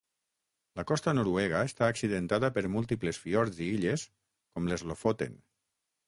La costa noruega està accidentada per múltiples fiords i illes com les Lofoten.